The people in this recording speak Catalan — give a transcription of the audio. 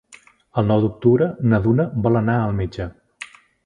El nou d'octubre na Duna vol anar al metge.